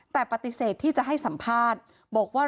แต่ปฏิเสธที่จะให้สัมภาษณ์บอกว่า